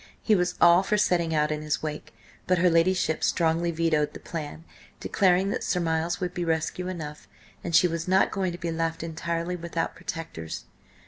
He was all for setting out in his wake, but her ladyship strongly vetoed the plan, declaring that Sir Miles would be rescue enough, and she was not going to be left entirely without protectors.